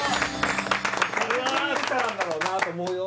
いい歌なんだろうなと思うよ